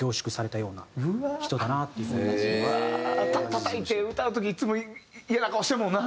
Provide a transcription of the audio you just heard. たたいて歌う時いつもイヤな顔してるもんな。